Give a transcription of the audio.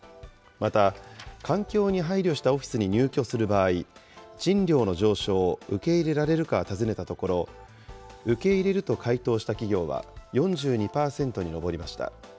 また、環境に配慮したオフィスに入居する場合、賃料の上昇を受け入れられるか尋ねたところ、受け入れると回答した企業は４２％に上りました。